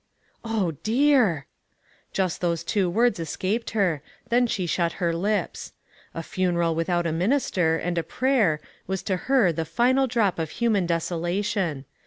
" Oh, dear !" Just those two words es caped her; then she shut her lips. A funeral without a minister, and a prayer, was to her the final drop of human desolation.